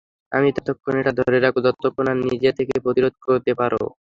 আমি ততক্ষণ এটা ধরে রাখবো যতক্ষণ না নিজে থেকে প্রতিরোধ করতে পারো।